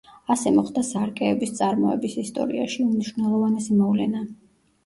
ასე მოხდა სარკეების წარმოების ისტორიაში უმნიშვნელოვანესი მოვლენა.